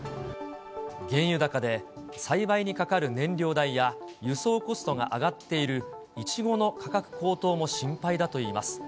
原油高で栽培にかかる燃料代や輸送コストが上がっているイチゴの価格高騰も心配だといいます。